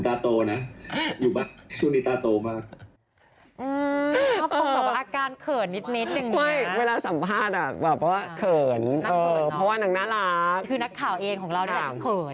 อาการเขินนิดอย่างงี้ค่ะเวลาสัมภาษณ์แบบว่าเขินเพราะว่านักนร้าคคือนักข่าวเองของเราจะคื